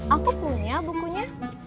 aku punya bukunya